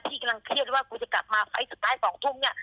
ที่กำลังเครียดว่ากูจะกลับมาไฟล์สุดท้าย๒ทุ่มเนี่ย